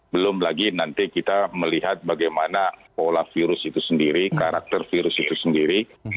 belum lagi nanti kita melihat bagaimana pola virus itu sendiri karakter virus itu sendiri